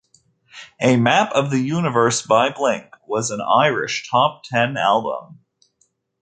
"A Map of the Universe by Blink" was an Irish top ten album.